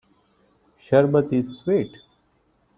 Sherbet is sweet.